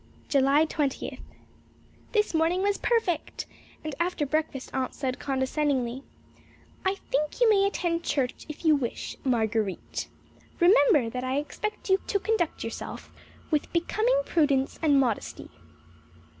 July Twentieth. This morning was perfect, and after breakfast Aunt said, condescendingly: "I think you may attend church if you wish, Marguer_ite_. Remember that I expect you to conduct yourself with becoming prudence and modesty."